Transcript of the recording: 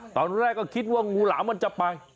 ตอนแรกก็คิดว่างูหลามมันจะไป